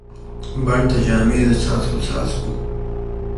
بڼ ته جامې د څاڅکو، څاڅکو